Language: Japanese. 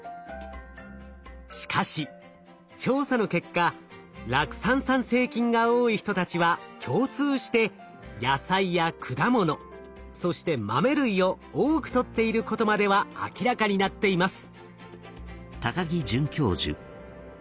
しかし調査の結果酪酸産生菌が多い人たちは共通して野菜や果物そして豆類を多くとっていることまでは明らかになっています。